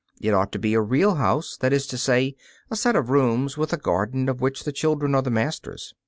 It ought to be a real house; that is to say, a set of rooms with a garden of which the children are the masters.